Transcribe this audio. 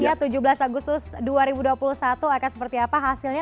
ya tujuh belas agustus dua ribu dua puluh satu akan seperti apa hasilnya